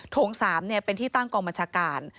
โถง๓เป็นที่ตั้งกองบัญชาการ